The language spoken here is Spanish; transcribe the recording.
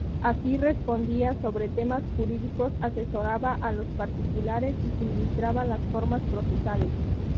Así respondía sobre temas jurídicos, asesoraba a los particulares y suministraba las formas procesales.